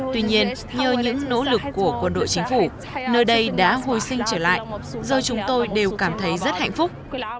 tuy nhiên nhờ những nỗ lực của quân đội chính phủ nơi đây đã hồi sinh trở lại giờ chúng tôi đều cảm thấy rất hạnh phúc